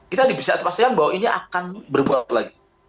kita bisa pastikan bahwa ini akan berbuat lagi